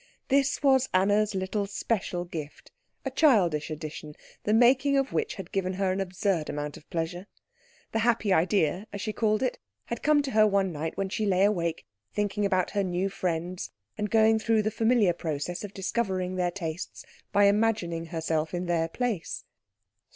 This was Anna's little special gift, a childish addition, the making of which had given her an absurd amount of pleasure. The happy idea, as she called it, had come to her one night when she lay awake thinking about her new friends and going through the familiar process of discovering their tastes by imagining herself in their place.